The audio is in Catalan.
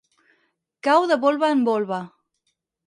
Cau de volva en volva.